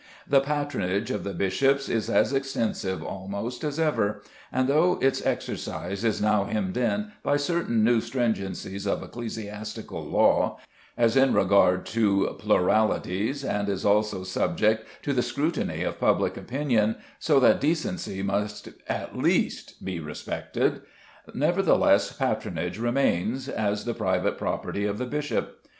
The patronage of the bishops is as extensive almost as ever; and though its exercise is now hemmed in by certain new stringencies of ecclesiastical law, as in regard to pluralities, and is also subject to the scrutiny of public opinion, so that decency must at least be respected, nevertheless patronage remains, as the private property of the bishop.